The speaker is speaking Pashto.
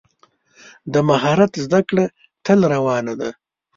د مهارت زده کړه تل روانه ده.